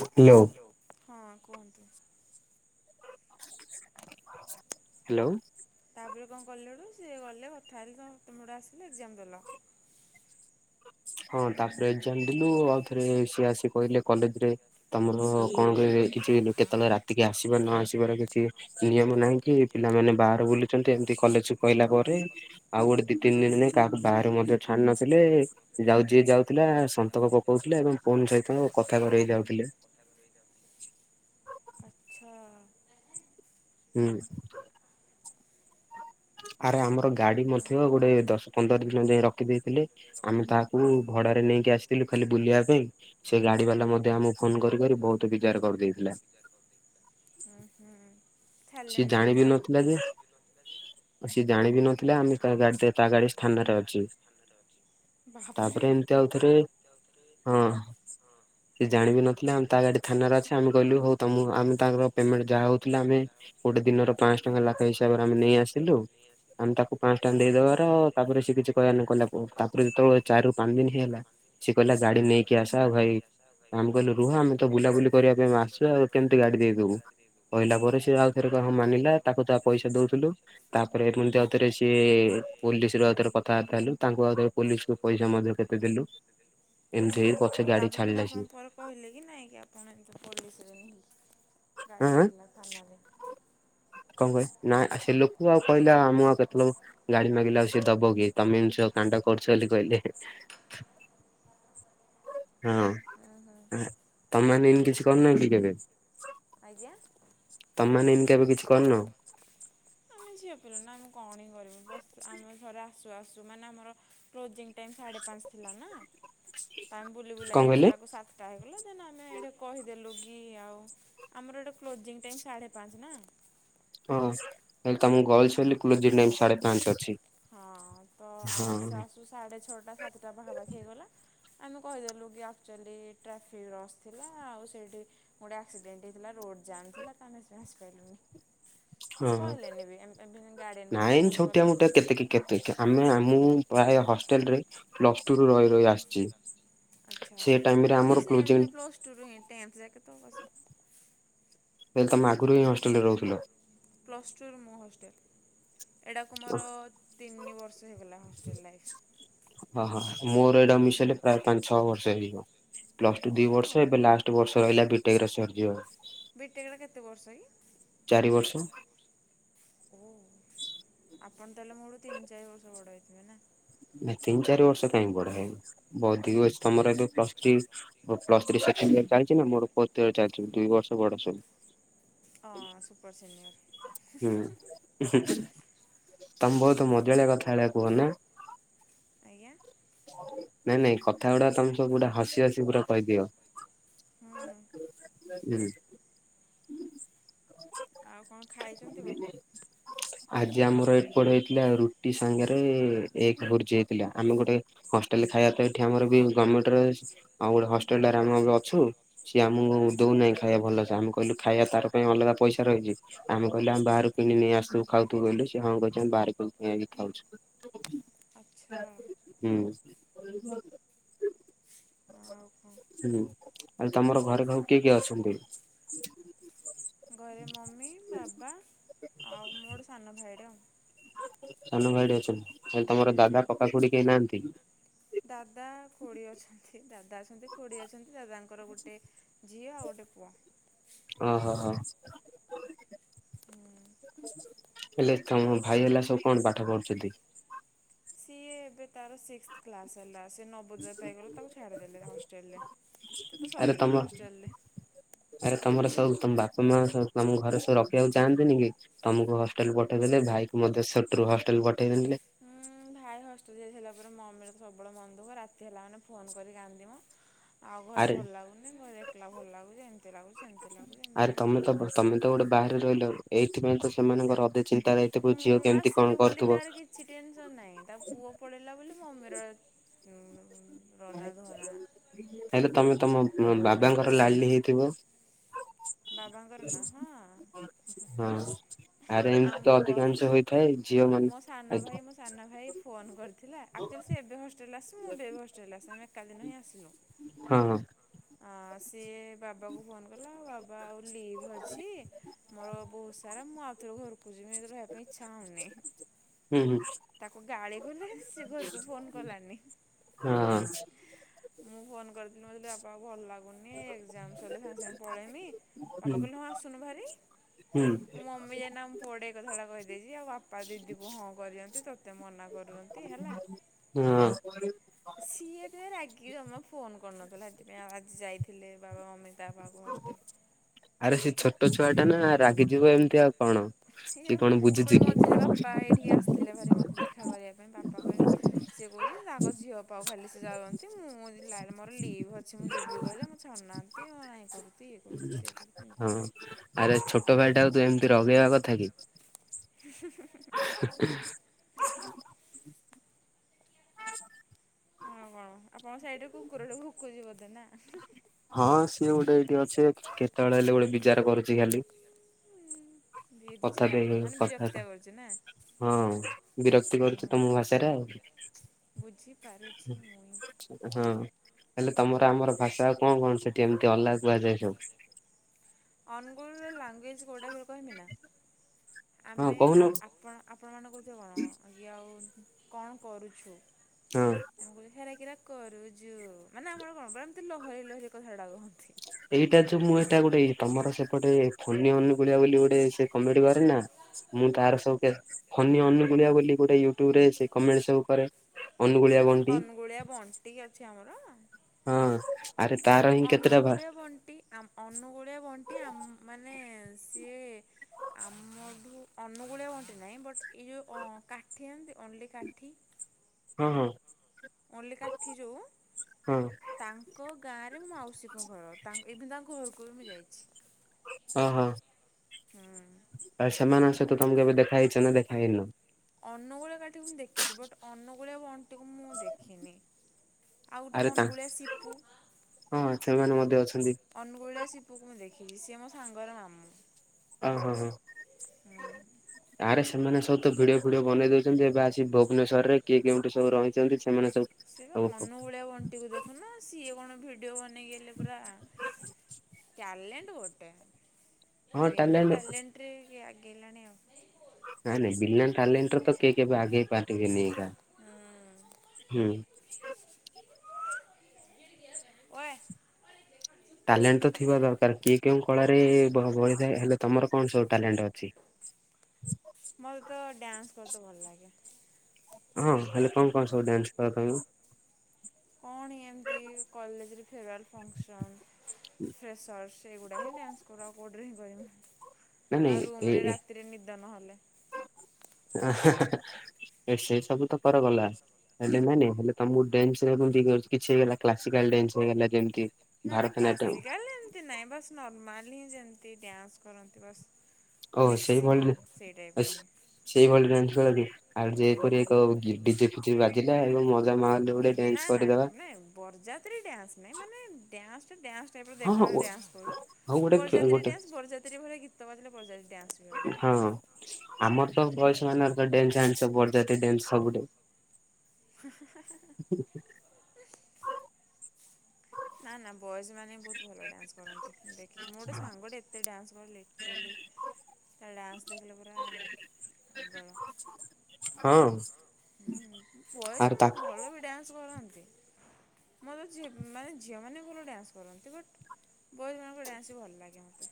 Hello. ହଁ କୁହନ୍ତୁ? Hello. ତାପରେ କଣ କଲେ ହେଠୁ ସିଏ ଗଲେ କଥା ହେଲେ ତାଙ୍କ ଗୋ [unintelligible] ଡେ ଆସିଲେ ଏକ୍ଜାମ ଦେଲ। ହଁ ତାପରେ ଏକ୍ଜାମ ଦେଲୁ ଆଉଥରେ ସିଏ ଆସି କହିଲେ କଲେଜରେ ତମର କଣ କହିବେ କିଛି କେତେ ବେଳେ ରାତିକି ଆସିବେ ନ ଆସିବାର କିଛି ନିୟମ ନାହିଁ କି ପିଲାମାନେ ବାହାରେ ବୁଲୁଚନ୍ତି। ଏମିତି କଲେଜେ କହିଲା ପରେ ଆଉ ଗୋଟେ ଦି ତିନି ଦିନି ରେକାହା କାହାରି ମତେ ଛାଡି ନଥିଲେ ଯାଉ ଯିଏ ଯାଉଥିଲା ସନ୍ତକ ପକଉଥିଲେ ଏବଂ ପୁଣି ସହିତ କଥା କରେଇ ଯାଉଥିଲେ। ଆଚ୍ଛା। ହୁଁ। ଆରେ ଆମର ଗାଡି ନଥିବ ଗୋଟେ ଦଶ ପନ୍ଦର ଦିନ ଯାଏ ରଖିଦେଇଥିଲେ? ଆମେ ତାହାକୁ ଭଡାରେ ନେଇକି ଆସିଥିଲୁ ଖାଲି ବୁଲିବା ପାଇଁ। ସେ ଗାଡି ବାଲା ମଧ୍ୟ ଆମକୁ ଫୋନ କରି କରି ବହୁତ୍ ବିଜାର କରିଦେଇଥିଲା। ଉଁ ହୁଁ। ସିଏ ଜାଣିବି ନଥିଲା ଯେ ସିଏ ଜାଣିବି ନଥିଲା ଆମେ ତା ଗାଡି ତା ଗାଡି ସ୍ଥାନା ରେ ଅଛି। ତାପରେ ଏମିତି ଆଉଥରେ ହଁ। ସେ ଜାଣିବି ନଥିଲେ ଆମ ତା ଗାଡି ଥାନାରେ ଅଛି ଆମେ କହିଲୁ ହଉ ତ ଆମେ ତାଙ୍କର ପେମେଣ୍ଟ ଯାହା ହଉଥିଲା ଆମେ ଗୋଟେ ଦିନର ପାଆଁଶହ ଟଙ୍କା ଲାଖା ହିସାବରେ ଆମେ ନେଇ ଆସିଲୁ ଆମେ ତାକୁ ପାଆଁଶହ ଟଙ୍କା ଦେଇଦବାର ତାପରେ ସେ କିଛି କହିବାର ନାହିଁ କଲା ତାପରେ ଯେତେବେଳେ ଚାରିରୁ ପାଞ୍ଚ ଦିନି ହେଇଗଲା ସିଏ କହିଲା ଗାଡି ନେଇକି ଆସ ଆଉ ଭାଇ ଆମେ କହିଲୁ ରୁହ ଆମେ ତ ବୁଲାବୁଲି କରିବା ପାଇଁ ଆସିଛୁ। ଆଉ କେମିତି ଗାଡି ଦେଇଦବୁ। କହିଲା ପରେ ସେ ଆଉ ଫେରେ କ ମାନିଲା ତାକୁ ତା ପଇସା ଦୋଉଥିଲୁ ତାପରେ ଏମତି ଆଉଥରେ ସିଏ ପୋଲିସ ରୁ ଆଉ ଥରେ କଥାବାର୍ତା ହେଲୁ ତାଙ୍କୁ ଆଉଥ ପୋଲିସକୁୁ ପଇସା ମଧ୍ୟ କେତେ ଦେଲୁ। ଏମିତି ହେଇକିପଛ ତାପ ଭିଣା ଆପଣ ପରେ କହିଲେ କି ନାଇଁ କି ଆପଣ ଏମିତି ପୋଲିସରେନେହିଁ ଏଁ। କଣ କହେ ନା ସେ ଲୋକ ଆଉ କହିଲେ ଆମ ଆଉ କେତେବେଳ ଗାଡି ମାଗିଲେ ଆଉ ସିଏ ଦବ କି ତମେଏମିତିସବୁ କାଣ୍ଡ କରୁଚ ବୋଲି କହିଲେ। [inaudible] ହଁ ତମମାନେ ଏମିତି କିଛି କରିନ କିକେବେ? ଆଜ୍ଞା। ତମେ ମାନେ ଏମିତୀ କେବେ କିଛି କରିନ? ଝିଅ ପିଲା ନା ଆମେ କଣି କରିବୁ ବ ଆମସରା ଆସୁ ଆସୁ ମାନେ ଆମର କ୍ଲୋଜିଂ ଟାଇମ୍ ସାଢେ ପାଞ୍ଚ ଥିଲା ନା। ଆମେ ବୁଲି ବୁଲାକି ଆସିଲାକୁ ସାତଟା ହେଇଗଲା ଦେନ ଆମେ ଏଇଠି କହିଦେଲୁ କି ଆଉ ଆମର ଗୋଟେ କ୍ଲୋଜିଂ ଟାଇମ୍ ସାଢ଼େ ପାଞ୍ଚ ନା। ହଁ ହେଲେ ତମକୁ ଗର୍ଲସ ବୋଲି କ୍ଲୋଜିଙ୍ଗ ଟାଇମ୍ ସାଢେ ପାଞ୍ଚ ଅଛି। ହଁ ତ ଆମେ ଆସୁ ଆସୁ ସାଢେ ଛଅଟା ସାତଟା ପାଖାପାଖି ହେଇଗଲା। ଆମେ କହିଦେଲୁ କି ଆକ୍ଚୁଆଲି ଟ୍ରାଫିକ ରସ୍ ଥିଲା। ଆଉ ସେଇଠି ଗୋଟେ ଆକ୍ସିଡେଣ୍ଟ ହେଇଥିଲା। ରୋଡ ଜାମ ଥିଲା ତାନେସେ ଆସି ପାଇଲୁନି। କିଛି କହିଲେନି ବି ଏ ଭିଏମ୍ ଗାର୍ଡିଆନକୁ ବି ଫୋନ କଲେନି। କେତେକେ ଆମେ ଆ ମୁଁ ପ୍ରାୟ ହଷ୍ଟେଲରେ ପ୍ଲସ୍ ଟୁ ରୁ ରହି ରହି ଆସିଚି। ସେ ଟାଇମରେ ଆମର କ୍ଲୋଜିଂ [unintelligible] କେତେବେଳକୁ ଆସିବ। ମୁଁ କହିଲି ତମେ ଆଗରୁ ହିଁ ହଷ୍ଟେଲରେ ରହୁଥିଲ। ପ୍ଲସ୍ ଟୁ ରୁ ମୁଁ ହଷ୍ଟେଲ୍। ଏଇଟାକୁ ମୋର ତିନି ବର୍ଷ ହେଇଗଲା ହଷ୍ଟେଲ ଲାଇଫ। ଓହ ମୋର ଏଇଟା କୁ ମିିସେଇଲେ ପାଞ୍ଚ ଛଅ ବର୍ଷ ହେଇଯିବ ପ୍ଲସ ଟୁ ଦି ବର୍ଷ ଏବେ ଲାଷ୍ଟ ବର୍ଷ ରହିଲା ବିଟେକର ସରିଯିବ। ବିଟେକ ର କେତେ ବର୍ଷ କି? ଚାରି ବର୍ଷ। ଓ ଆପଣ ତା ହେଲେ ମୋରଠୁ ତିନି ଚାରି ବର୍ଷ ବଡ଼ ହୋଇଥିବେ ନା। ନା ତିନି ଚାରି ବର୍ଷ କାହିଁକି ବଡ ହେବି ମୋର ଦି ବର୍ଷ ତମର ଏବେ ପ୍ଲସ ଥ୍ରୀ ହଁ ପ୍ଲସ୍ ଥ୍ରି ସେକେଣ୍ଡ ଇଅର୍ ଚାଲିଛି ନା ମୋର ଫୋର୍ଥ ଇଅର ଚାଲିଛି ଦଇ ବର୍ଷ ବଡ ସବୁ। ହଁ ସୁପର ସିନିୟର। ହୁଁ ତମେ ବହୁତ ମଜାଳିଆ କଥାରା କୁହ ନା। ଆଜ୍ଞା। ନାଇଁ ନାଇଁ କଥା ଗୁଡା ତମେ ସବୁ ଗୋଟେ ହସି ହସି ପୁରା କହିଦିଅ। ହଁ। ହୁଁ। ଆଉ କଣ ଖାଇଛନ୍ତି କଣ? ଆଜି ଆମର ଏପଟେ ହେଇଥିଲା ରୁଟି ସାଙ୍ଗରେ ଏଗ ଭୂର୍ଜି ହେଇଥିଲା ଆମେ ଗୋଟେ ହଷ୍ଟେଲ ଖାଇବା ତ ଏଠି ଆମର ବି ଗମେଣ୍ଟ ରେ ଆଉ ଗୋଟେ ହଷ୍ଟେଲ ଆମେ ଅଛୁ। ସିଏ ଆମକୁ ଦଉନାହିଁ ଖାଇବା ଭଲସେ ଆମେ କହିଲୁ ଖାଇବା ତାର ପାଇଁ ଅଲଗା ପଇସା ରହିଛି। ଆମେ କହିଲୁ ଆମ ବାହାରୁ କିଣି ଆସୁ ଖାଉଥୁ କହିଲୁ ସେ ହଁ କହିଛନ୍ତି ଆମେ ବାହାରୁ କିଣି ଆଣି ଖାଉଛୁ। ଆଚ୍ଛା। ହୁଁ। ହୁଁ ଆଉ ତମର ଘରେ ସବୁ କିଏ କିଏ ଅଛନ୍ତି? ଘରେ ମମି ବାବା ଆଉ ମୋର ସାନ ଭାଇର। ସାନ ଭାଇଟେ ଅଛନ୍ତି ତମର ଦାଦା କକା ଖୁଡି କେହି ନାହାନ୍ତି। ଦାଦା ଖୁଡ଼ି ଅଛନ୍ତି ଦାଦା ଅଛନ୍ତି ଖୁଡ଼ି ଅଛନ୍ତି ଦାଦାଙ୍କର ଗୋଟେ ଝିଅ ଆଉ ଗୋଟେ ପୁଅ। ଅ ହ ହ। ହୁଁ। ହେଲେ ତମ ଭାଇ ହେଲା ସବୁ କଣ ପାଠ ପଢୁଛନ୍ତି। ସି ଏବେ ତାର ସିକ୍ସଥ କ୍ଲାସ ହେଲା ସେ ନ ବୋଦୟ ପାଇଗଲା ତାକୁ ଛାଡ଼ିଦେଲୁ ହଷ୍ଟେଲରେ ସେ ତ ଷଷ୍ଠରୁ ହଷ୍ଟେଲରେ। ଆରେ ତମର ସବୁ ତମ ବାପା ମା ସବୁ ତମ ଘରେ ସବୁ ରଖିବାକୁ ଚାହାନ୍ତିନି କି। ତମକୁ ହଷ୍ଟେଲ ପଠେଇଦେଲେ ଭାଇ କୁ ମଧ୍ୟ ଛୋଟରୁ ହଷ୍ଟେଲ ପଠେଇ ଦେଇଥିଲେ। ଭାଇ ହଷ୍ଟେଲ ଯାଇସାରିଲା ପରେ ମମିର ସବୁବେଳେ ମନ ଦୁଃଖ ରାତି ହେଲା ମାନେ ଫୋନ କରିିକି କାନ୍ଦିବ। ଆଉ ଘରେ ଭଲ ଲାଗୁନି ମୋ ଏକଲା ଭଲ ଲାଗୁନି ଏମିତି ଲାଗୁଛି ସେମିତି ଲାଗୁ ଯେମିତି ତମେ ତ ଗୋଟେ ବାହାରେ ରହିଲ ଏଇଥିପାଇଁ ତ ସେମାନଙ୍କର ଅଧେ ଚିନ୍ତା ରହିଇଥିବ ଝିଅ କେମିତି କଣ କରୁଥିବ। କିଛି ଟେନସନ୍ ନାହିଁ ତା ପୁଅ ପଳେଇଲା ବୋଲି ମମିର ରୋନା ଧୋନା। ହେଲେ ତମେ ତମ ବାବାଙ୍କର ଲାଲି ହେଇଥିବ। ବାବାଙ୍କର ନାଁ ହଁ ଆଉ ପୁଅ ହେଇ ଝିଅ ମୋ ସାନ ଭାଇ ମୋ ସାନ ଭାଇ ଫୋନ କରିଥିଲା ଆକ୍ଚୁଆଲି ସେ ଏବେ ହଷ୍ଟେଲ ଆସଚି ମୁଁ ଏବେ ହଷ୍ଟେଲ ଆସଚି ଆମେ ଏକା ଦିନ ହଁ ଆସିଲୁ। ହଁ। ହଁ ସିଏ ବାବା ଙ୍କୁ ଫୋନ କଲା ବାବା ଆଉ ଲିଭ୍ ଅଛି ମୋର ବହୁତ ସାରା ମୁଁ ଆଉଥର ଘରକୁ ଯିବି ଏଠି ରହିବା ପାଇଁ ଇଛା ହଉନି। ହୁଁ ହୁଁ। ତାକୁ ଗାଳି କଲେ ସେ ଘରକୁ ଫୋନ କଲାନି। ମୁଁ ଫୋନ କରିଥିଲି ମୁଁ କହିଲି ବାପାକୁ ଭଲ ଲାଗୁନି ଏକ୍ଜାମ ସଇଲେ ସାଙ୍ଗେ ସାଙ୍ଗେ ପଳେଇମି ବାପା କହିଲେ ହଁ ଆସୁନୁ ଭାରି। ମୋ ମମି ଯାଇନା ଆମ ପୁଅଠେ ଏଇ କଥାଟା କହିଦେଇଚି ଆଉ ବାପା ଦିଦିକୁ ହଁ କରିଚନ୍ତି। ତତେ ମନା କରୁଚନ୍ତି ହେଲା। ସିଏ ସେଥିପାଇଁ ରାଗିକି ଜମା ଫୋନ କରୁନଥିଲା ହେଥିପାଇଁ ଆଉ ଆଜି ଯାଇଥିଲେ ବାବାମମି ତା ପାଖକୁ ହଷ୍ଟେଲ। ଆରେ ସେ ଛୋଟ ଛୁଆଟା ନା ରାଗିଯିବ ଏମିତି ଆଉ କଣ ସିଏ କଣ ବୁଝିଛି କି? ଏଇଠିକି ଆସ ଥିଲା ଭାରି ମୋତେ ଦେଖା କରିବାପାଇଁ ବାପା କହିଲେ ସିଏ କହୁଚି ତାଙ୍କ ଝିଅ ପାଖକୁ ଖାଲି ସିଏ ଯାଉଚନ୍ତି ମୁଁ ମୋ ଲା ମୋର ଲିଭ୍ ଅଛି ମୁଁ ଯିବି କହିଲେ ମତେ ଛାଡୁନାହାନ୍ତି। ନାହିଁ କରୁତି ଇଏ କରୁତି ସିଏ [inaudible] ହଁ ଆରେ ଛୋଟ ଭାଇଟାକୁ ତୁ ଏମିତି ରଗେଇବା କଥା କି? ଆଉ କଣ ଆପଣଙ୍କ ସାଇଡରେ କୁକୁରଟେ ଭୁକୁଜି ବୋଧେ ନା। ହଁ ସିଏ ଗୋଟେ ଏଇଠି ଅଛି କେତେବେଳେ ହେଲେ ଗୋଟେ ବିଜାର କରୁଚି ଖାଲି। ହଁ ବିଜାର ମାନେ ବିରକ୍ତ [inaudible] କରୁଚି ନା ହଁ ବିରକ୍ତି କରୁଚି ତମ ଭାଷାରେ ଆଉ। ବୁଝିପାରୁଚି ମୁଇଁ। ହଁ ହେଲେ ତମର ଆମର ଭାଷା କଣ କଣ ସେଠି ଏମିତି ଅଲଗା କୁହାଯାଏ ସବୁ? ଅନୁଗୁଳର ଲାଙ୍ଗୁଏଜ୍ କୋଉ ଟାଇପର କହମିନା ଆମେ ଆ ଆପଣ ଆପଣମାନେ କହୁଥିବେ କଣ କି ଆଉ କଣ କରୁଛୁ? ହଁ। ଆମେ କହୁ ହେରାକିରା କରୁଜୁ ମାନେ ଆମର କଣ ପୁରା ଏମିତି ଲହରି ଲହରି କଥାଡା କହନ୍ତି। ଏଇଟା ଯୋଉ ମୁଁ ଏଇଟା ଗୋଟେ ତମର ସେପଟେ ଫନି ଅନୁଗୁଳିଆ ବୋଲି ଗୋଟେ ସେ କମେଡି କରେ ନା ମୁଁ ତାର ସବୁ କେ ଫନି ଅନୁଗୁଳିଆ ବୋଲି ଗୋଟେ ୟୁଟୁବରେ ସେ କମେଣ୍ଟ ସବୁ କରେ। ହୁଁ ଅନୁଗୁଳିଆ ବଣ୍ଟି ଅଛି ଆମର। ହଁ। ଆରେ ତାର ଅନୁଗୁଳିଆ ବଣ୍ଟି ଆ ଅନୁଗୁଳିଆ ବଣ୍ଟି ଆମ ମାନେ ସିଏ ଆମଠୁ ଅନୁଗୋଳିଆ ବଣ୍ଟି ନାହିଁ ବଟ୍ ଏଇ ଯେଉଁ କାଠି ଏମତି ଓନ୍ଲି କାଠି [inaudible] ହଁ ହଁ। ଓନ୍ଲି କାଠି ଯଉ। ତାଙ୍କ ଗାଁରେ ମୋ ମାଉସୀଙ୍କ ଘର ଏଭିନ ତାଙ୍କ ଘରକୁ ବି ମୁଁ ଯାଇଚି। ଓହୋ ଆଉ ସେମାନଙ୍କ ସହିତ ତମେ କେବେ ଦେଖା ହେଇଛ ନା ଦେଖା ହେଇନ? ଅନୁଗୁଳିଆ କାଠିକି ମୁଁ ଦେଖିଛି ବଟ୍ ଅନୁଗୁଳିଆ ବଣ୍ଟିକୁ ମୁଁ ଦେଖିନି। ଆଉ ଗୋଟେ ଅନୁଗୁଳିଆ ସିପୁ ଅନୁଗୁଳିଆ ସିପୁ କୁ ମୁଁ ଦେଖିଛି ସିଏ ମୋ ସାଙ୍ଗର ମାମୁଁ। ଅ ହୋ ହୋ। ହୁଁ। ଆରେ ସେମାନେ ସବୁ ତ ଭିଡିଓ ଫିଡିଓ ବନେଇ ଦଉଛନ୍ତି ଏବେ ଆସି ଭୁବନେଶ୍ଵରରେ କିଏ କେଉଁଠି ସବୁ ରହିଛନ୍ତି ସେ ଅନୁଗୁଳିଆ ବ ଟିକୁ ଦେଖୁନ ସିଏ କଣ ଭିଡିଓ ବନେଇ ଏଇଲେ ପୁରା। ଟ୍ୟାଲେଣ୍ଟ ଗୋଟେ ବିନା ଟ୍ୟାଲେଣ୍ଟରେ କିଏ ଆଗେଇଲାଣି ଆଉ। ନାଇଁ ନାଇଁ ବିନା ଟ୍ୟାଲେଣ୍ଟରେ ତ କେହି କେବେ ଆଗେଇ ପାରିବେନି ଏକା ହୁଁ। ଓଏ। ଟ୍ୟାଲେଣ୍ଟ ତ ଥିବା ଦରକାର କିଏ କେଉଁ କଳାରେ ବ-ବଳିଥାଏ ହେଲେ ତମର କଣ ସବୁ ଟ୍ୟାଲେଣ୍ଟ ଅଛି? ମୋତେ ତ ଡ୍ୟାନ୍ସ କରିତେ ଭଲ ଲାଗେ। ହଁ ହେଲେ କଣ କଣ ସବୁ ଡ୍ୟାନ୍ସ କର ତମେ? କଣ ଏମିତି କଲେଜରେ ଫେରୱାଲ ଫଙ୍କସନ। ଫ୍ରେସର୍ସ ସେଇଗୁଡା ହିଁ ଡ୍ୟାନ୍ସ କରେ ଆଉ କଉଠି ରେ ହିଁ କରିମି। ଆଉ ରୁମ୍ ରେ ରାତିରେ ନିଦ ନ ହେଲେ। ଆ ହାଁ ହାଁ ହାଁ ମେସେଜ୍‌ ସବୁ ତ କର ଗଲା। ହେଲେ ନାଇଁ ନାଇଁ ହେଲେ ତମକୁ ଡ୍ୟାନ୍ସରେ [unintelligible] କିଛି ହେଇଗଲା କ୍ଲାସିକାଲ୍ ଡ୍ୟାନ୍ସ ହେଇଗଲା ଯେମିତି। ନା ନା କ୍ଲାସିକାଲ ଏମିତି ନାଇଁ ବାସ ନର୍ମାଲ ହିଁ ଯେମିତି ଡ୍ୟାନ୍ସ କରନ୍ତି ବାସ। ମିକ୍ସିଙ୍ଗ ସେଇ ଟାଇପ୍ ର ହିଁ। ସେଇଭଳି ଡ଼୍ୟାନ୍ସର ଆଜି ଆ ଯେପରି ଏକ ଗୀ ଡି ଜେ ଫି ଜେ ବାଜିଲା ଏବଂ ମ ଡି ନା ନା ନାଇଁ ବରଯାତ୍ରୀ ଡ୍ୟାନ୍ସ ନାଇଁ ମାନେ ଡ୍ୟାନ୍ସ ଟା ଡ୍ୟାନ୍ସ। ଟାଇପର ରେକର୍ଡ ଡ୍ୟାନ୍ସ କରୁ ବରଯାତ୍ରୀ ଡ୍ୟାନ୍ସ ବରଯାତ୍ରୀ ଭଳି ଗୀତ ବାଜିଲେ ବରଯାତ୍ରୀ ଡ୍ୟାନ୍ସ। ହଁ ଆମର ତ ବଏଜ୍‌ ମାନଙ୍କ ଡ୍ୟାନ୍ସ ଜାଣିଛ ବରଯାତ୍ରୀ ଡ୍ୟାନ୍ସ ସବୁଠି। ହୁଁ ହୁଁ ହା ହା ହା। ନା ନା ବଏଜ୍ ମାନେ ବହୁତ ଭଲ ଡ୍ୟାନ୍ସ କରନ୍ତି ମୁଁ ଦେଖିଚି ମୋ ଗୋଟେ ସାଙ୍ଗଟେ ଏତେ ଡ୍ୟାନ୍ସ କରେ ଲିଟରାଲି। ତା ଡ୍ୟାନ୍ସ ଦେଖିଲେ ପୁରା ପାଗଳ। ହଁ। ହୁଁ ବଏ ଉଁ‌ ମାନେ ଭଲ ବି ଡ୍ୟାନ୍ସ କରନ୍ତି। ମୋତେ ଝି ଉଁ ମାନେ ଝିଅମାନେ ଭଲ ଡ୍ୟାନ୍ସ କରନ୍ତି ବଟ୍। ବଏଜ୍‌ ମାନଙ୍କ ଡ୍ୟାନ୍ସ ବି ଭଲ ଲାଗେ ମୋତେ।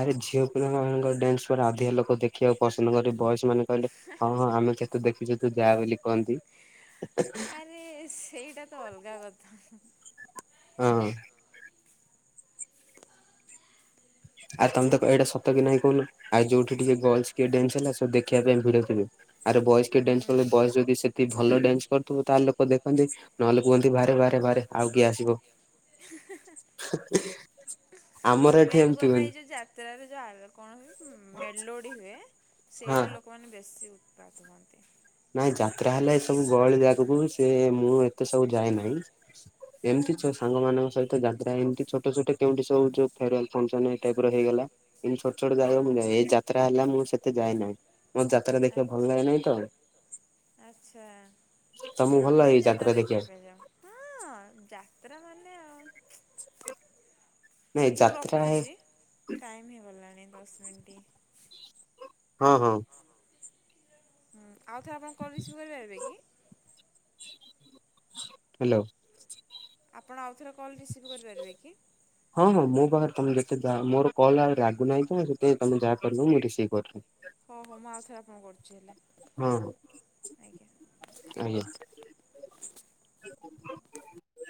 ଆରେ ଝିଅ ପିଲା ମାନଙ୍କ ଡ୍ୟାନ୍ସ ପରା ଅଧିକ ଲୋକ ଦେଖିବାକୁ ପସନ୍ଦ କରେ। ବଏଜ୍‌ ମାନେ କଲେ। ହଁ ହଁ ଆମେ କେତେ ଦେଖିଛୁ ତୁ ଯା ବୋଲି କୁହନ୍ତି ହେ ହେ। [unintelligible] ସେଇଟା ତ ଅଲଗା କଥା। ହଁ। ଆରେ ତମେ ତ ଅ ଏଇଟା ସତ କି ନାଇଁ କହୁନ। ଆଉ ଯୋଉଠି ଟିକେ ଗଲସ୍ କିଏ ଡ୍ୟାନ୍ସ ହେଲା ସବୁ ଦେଖିବା ପାଇଁ ଭିଡ ଥିବେ। ଆରେ ବଏଜ୍ କି ଡ୍ୟାନ୍ସ କଲେ ବଏଜ୍‌ ଯଦି ସେଠି ଭଲ ଡ୍ୟାନ୍ସ କରୁଥିବ ତାହେଲେ ଲୋକ ଦେଖନ୍ତି। ନହେଲେ କୁହନ୍ତି ବାହାରେ ବାହାରେ ବାହାରେ ଆଉ କିଏ ଆସିବ। ଆମର ଏଠି ଏ କଣ ନା ଏଇ ଯୋଉ ଯାତ୍ରାରେ ଯା କଣ ହୁଏ ଉଁ ମେଲୋଡି ହୁଏ। ସେଇଠି ଲୋକମାନେ ବେଶୀ ଉତ୍ପାତ ହୁଅନ୍ତି। ନାଇଁ ଯାତ୍ରା ହେଲେ ସବୁ ଗହଳି ଜାଗାକୁ ସେ ମୁଁ ଏତେ ସବୁ ଯାଏ ନାହିଁ। ଏମିତି ଛ ସାଙ୍ଗମାନଙ୍କ ସହିତ ଯାତ୍ରା ଏମିତି ଛୋଟ ଛୋଟ କେଉଁଠି ସବୁ ଯୋଉ ଫେରୱାଲ୍, ଫଙ୍କସନ୍‌ ଏଇ ଟାଇପ ର ହେଇଗଲା। ଏମ ଛୋଟ ଛୋଟ ଜାଗା ମୁଁ ଯାଏ। ଏଇ ଯାତ୍ରା ହେଲା ମୁଁ ସେତେ ଯାଏନା। ମ ଯାତ୍ରା ଦେଖିବା ଭଲ ଲାଗେ ନାଇଁ ତ। ଆଚ୍ଛା। ଆମେ ଏଇ ଯାତ୍ରା ଦେଖିବା ପାଇଁ ଯାଉ। ହଁ, ଯାତ୍ରା ମାନେ ଆଉ। ମୁଁ ରଖୁଛି, ଟାଇମ୍ ହେଇଗଲାଣି ଦଶ ମିଣ୍ଟି। ହଁ, ହଁ। ହୁଁ, ଆଉ ଥରେ ଆପଣ କଲ୍‌ ରିସିଭ୍ କରିପାରିବେ କି? ହାଲୋ। ଆପଣ ଆଉଥରେ କଲ୍ ରିସିଭ୍ କରିପାରିବେ କି? ହଁ, ହଁ। ମୋ ପାଖରେ ତମେ ଯେତେ ଯାହା ମୋର କଲ୍ ଆଉ ଲାଗୁନାହିଁ ତ ମୁଁ ସେଥିପାଇଁ, ତମେ ଯାହା କରିବ ମୁଁ ରିସିଭ୍ କରି। [unintelligible] ହଁ, ହଁ। ମୁଁ ଆଉଥରେ ଆପଣ କରୁଛି ହେଲେ। ହଁ, ଆଜ୍ଞା।